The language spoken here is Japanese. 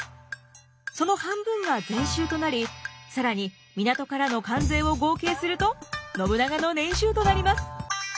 その半分が税収となり更に港からの関税を合計すると信長の年収となります。